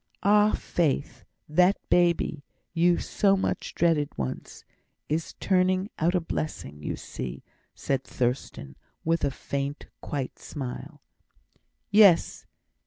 "Ah, Faith! that baby you so much dreaded once, is turning out a blessing, you see," said Thurstan, with a faint, quiet smile. "Yes!